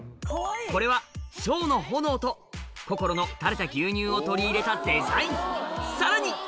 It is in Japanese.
これはしょうの炎とこころの垂れた牛乳を取り入れたデザインさらに！